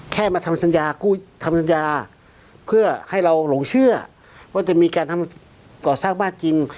แค่มาทำสัญญากู้ทำสัญญาเพื่อให้เราหลงเชื่อว่าจะมีการทำก่อสร้างบ้านจริง